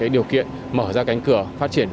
điều kiện mở ra cánh cửa phát triển